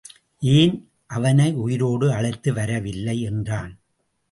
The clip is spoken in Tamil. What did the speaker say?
ஏன் அவனை உயிரோடு அழைத்து வரவில்லை என்றான்.